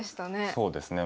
そうですね。